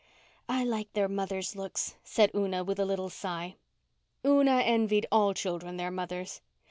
"I liked their mother's looks," said Una with a little sigh. Una envied all children their mothers.